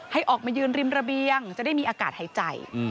ให้ออกมายืนริมระเบียงจะได้มีอากาศหายใจ